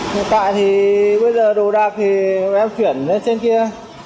nhưng tại thì bây giờ đồ đạc thì em chuyển lên trên kia